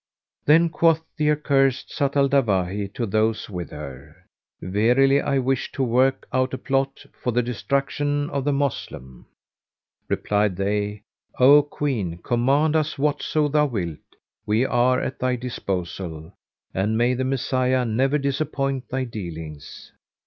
Then quoth the accursed Zat al Dawahi to those with her, "Verily I wish to work out a plot for the destruction of the Moslem." Replied they, "O Queen, command us whatso thou wilt; we are at thy disposal and may the Messiah never disappoint thy dealings!"